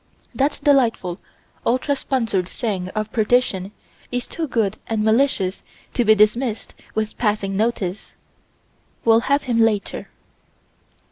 That delightful, ultra sponsored thing of perdition is too good and malicious to be dismissed with passing notice: we'll have him later.